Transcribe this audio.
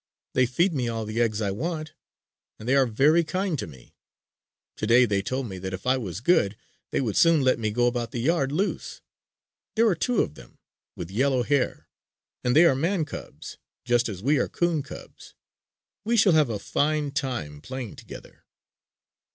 They feed me all the eggs I want, and they are very kind to me. Today they told me that if I was good, they would soon let me go about the yard loose. There are two of them, with yellow hair. And they are man cubs, just as we are 'coon cubs. We shall have a fine time playing together."